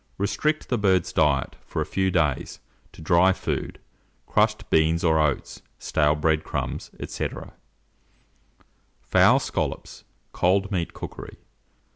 Restrict the bird's diet, for a few days, to dry food, crushed beans or oats, stale bread crumbs, &c. FOWL SCOLLOPS (Cold Meat Cookery).